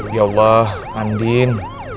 ya allah andien